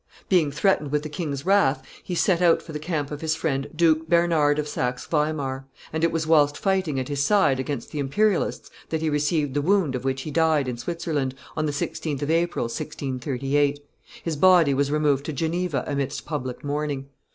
Being threatened with the king's wrath, he set out for the camp of his friend Duke Bernard of Saxe Weimar; and it was whilst fighting at his side against the imperialists that he received the wound of which he died in Switzerland, on the 16th of April, 1638. His body was removed to Geneva amidst public mourning.